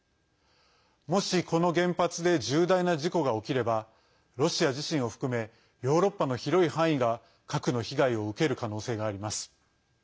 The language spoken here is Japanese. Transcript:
もし、この原発で重大な事故が起きればロシア自身を含めヨーロッパの広い範囲が核の被害を受ける可能性があります。